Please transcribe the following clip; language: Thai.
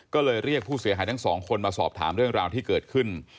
ก็เลยเรียกผู้เสียหายทั้งสองคนมาสอบถามเรื่องราวที่เกิดขึ้น